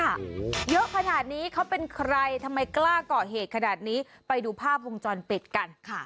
โอ้โหเยอะขนาดนี้เขาเป็นใครทำไมกล้าก่อเหตุขนาดนี้ไปดูภาพวงจรปิดกันค่ะ